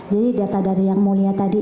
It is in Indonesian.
jadi data dari yang mulia tadi